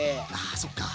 あそっか。